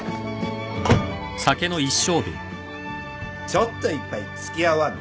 ちょっと一杯付き合わんな？